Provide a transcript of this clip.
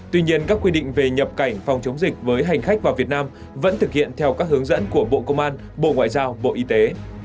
tuy nhiên các quy định về nhập cảnh phòng chống dịch với hành khách vào việt nam vẫn thực hiện theo các hướng dẫn của bộ công an bộ ngoại giao bộ y tế